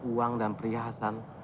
uang dan perhiasan